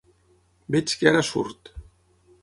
Veig que ara surt.